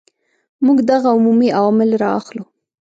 موږ دغه عمومي عوامل را اخلو.